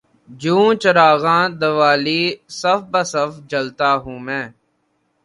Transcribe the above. جوں چراغانِ دوالی صف بہ صف جلتا ہوں میں